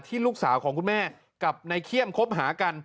ลูกสาวของคุณแม่กับนายเขี้ยมคบหากัน